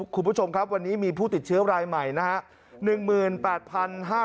คุณผู้ชมครับวันนี้มีผู้ติดเชื้อรายใหม่นะครับ